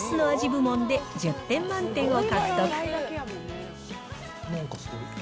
部門で１０点満点を獲得。